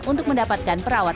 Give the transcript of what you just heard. untuk mendapatkan penyelamat